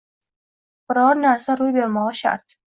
biror narsa roʼy bermogʼi shart